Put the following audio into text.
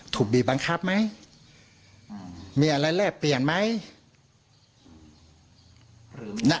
ถูกบีบบังคับไหมมีอะไรแลกเปลี่ยนไหม